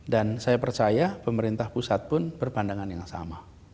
dan saya percaya pemerintah pusat pun berpandangan yang sama